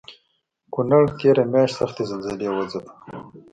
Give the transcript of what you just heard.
کونړ تېره مياشت سختې زلزلې وځپه